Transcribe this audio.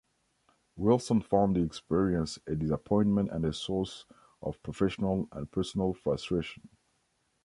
Wilson found the experience a disappointment and a source of professional and personal frustration.